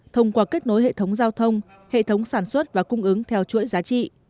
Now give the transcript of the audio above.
thông qua kết nối hệ thống giao thông hệ thống sản xuất và cung ứng theo chuỗi giá trị